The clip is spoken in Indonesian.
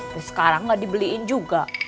terus sekarang nggak dibeliin juga